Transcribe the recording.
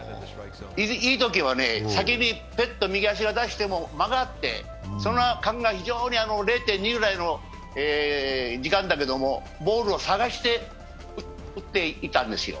いいときは先にペッと右足を出しても間があって、その間が０．２ぐらいの時間だけれどもボールを探して打っていたんですよ。